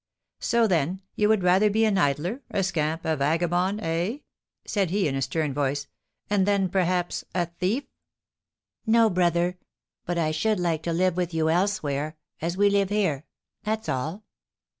"So, then, you would rather be an idler, a scamp, a vagabond, eh?" said he, in a stern voice; "and then, perhaps, a thief?" "No, brother; but I should like to live with you elsewhere, as we live here, that's all."